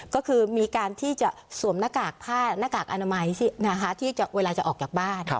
ก็คือมีการที่จะสวมหน้ากากผ้าหน้ากากอนามัยที่เวลาจะออกจากบ้าน